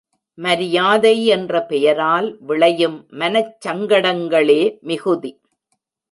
மரியாதை என்ற பெயரால் விளையும் மனச்சங்கடங்களே மிகுதி.